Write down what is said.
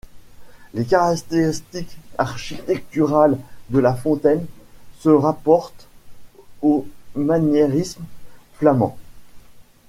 Les caractéristiques architecturales de la fontaine se rapportent au maniérisme flamand.